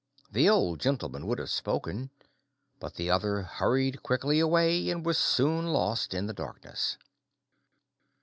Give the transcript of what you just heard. The Old Gentleman would have spoken, but the other hurried quickly away, and was soon lost in the darkness.